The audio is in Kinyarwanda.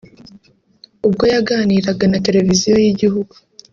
ubwo yaganiraga na Televiziyo y’Igihugu